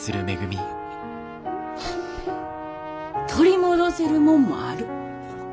取り戻せるもんもある。